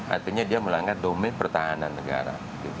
artinya dia melanggar domain pertahanan negara